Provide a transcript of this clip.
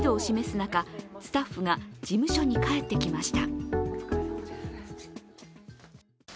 中スタッフが事務所に帰ってきました。